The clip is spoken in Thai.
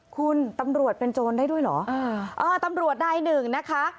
คุณตำรวจเป็นโจรได้ด้วยเหรออ่าตำรวจนายหนึ่งนะคะ